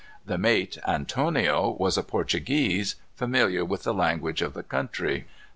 The mate, Antonio, was a Portuguese, familiar with the language of the country.